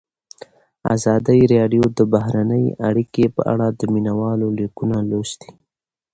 ازادي راډیو د بهرنۍ اړیکې په اړه د مینه والو لیکونه لوستي.